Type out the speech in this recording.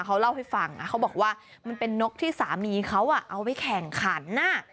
เขาเล่าให้ฟังนะเขาบอกว่ามันเป็นนกที่สามีเขาเอาไปแข่งขัน